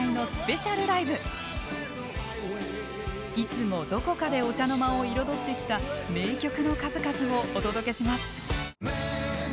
いつもどこかでお茶の間を彩ってきた名曲の数々をお届けします。